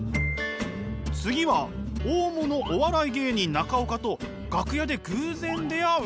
次は大物お笑い芸人中岡と楽屋で偶然出会うという設定。